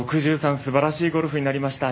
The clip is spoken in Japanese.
すばらしいゴルフになりました。